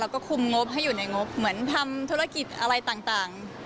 แล้วก็คุมงบให้อยู่ในงบเหมือนทำธุรกิจอะไรต่าง